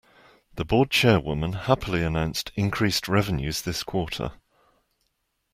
The board chairwoman happily announced increased revenues this quarter.